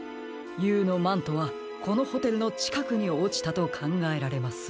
Ｕのマントはこのホテルのちかくにおちたとかんがえられます。